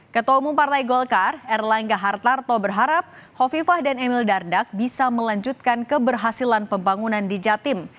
ketua umum partai golkar erlangga hartarto berharap hovifah dan emil dardak bisa melanjutkan keberhasilan pembangunan di jatim